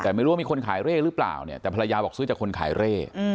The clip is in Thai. แต่ไม่รู้ว่ามีคนขายเร่หรือเปล่าเนี่ยแต่ภรรยาบอกซื้อจากคนขายเร่